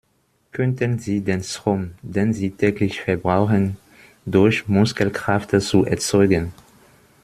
Könnten Sie den Strom, den Sie täglich verbrauchen, durch Muskelkraft zu erzeugen?